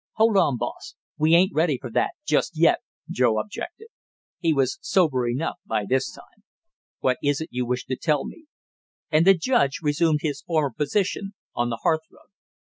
"Hold on, boss, we ain't ready for that just yet!" Joe objected. He was sober enough, by this time. "What is it you wish to tell me?" And the judge resumed his former position on the hearth rug.